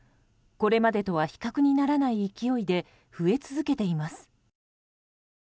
これまでとは比較にならない勢いで増え続けています。